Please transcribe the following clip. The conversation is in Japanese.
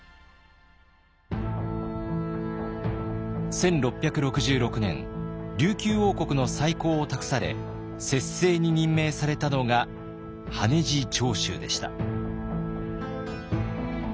１６６６年琉球王国の再興を託され摂政に任命されたのが羽地朝秀でした。